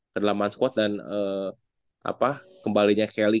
kedalaman squad dan kembalinya kelly